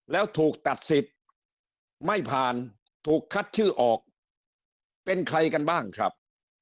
แล้วถูกตัดสิทธิ์ไม่ผ่านถูกคัดชื่อออกเป็นใครกันบ้างครับ